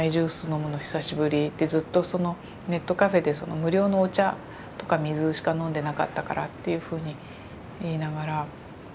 ずっとそのネットカフェで無料のお茶とか水しか飲んでなかったからっていうふうに言いながら。